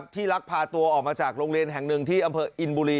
ลักพาตัวออกมาจากโรงเรียนแห่งหนึ่งที่อำเภออินบุรี